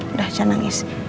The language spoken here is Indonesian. udah jangan nangis